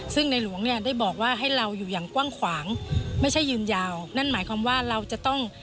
ซึ่งนายหลวงได้บอกว่าให้เราอยู่อย่างกว้างขวาง